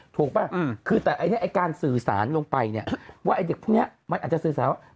ถูกไหมคือแต่การสื่อสารลงไปว่าเด็กพุทธมันอาจจะสื่อสารว่า